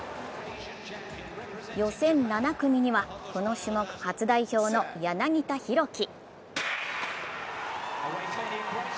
予選７組にはこの種目初代表の柳田大輝。